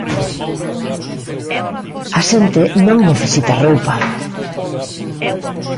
A xente non necesita roupa.